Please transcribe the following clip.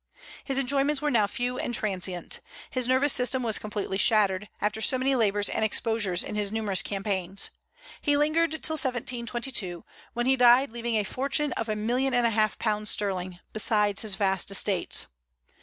His enjoyments were now few and transient. His nervous system was completely shattered, after so many labors and exposures in his numerous campaigns. He lingered till 1722, when he died leaving a fortune of a million and a half pounds sterling, besides his vast estates.